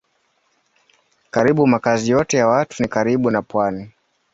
Karibu makazi yote ya watu ni karibu na pwani.